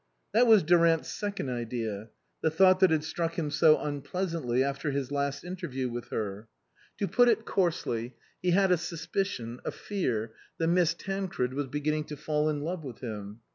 That was Durant's second idea ; the thought that had struck him so unpleasantly after his last interview with her. To put it coarsely, he had a suspicion, a fear, that Miss Tancred was beginning to fall in love with him.